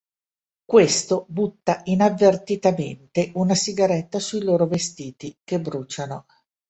Questo butta inavvertitamente una sigaretta sui loro vestiti che bruciano.